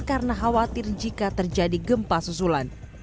karena khawatir jika terjadi gempa susulan